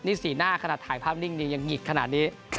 นี่สีหน้าขนาดถ่ายภาพนิ่งนี่ยังหงิกขนาดนี้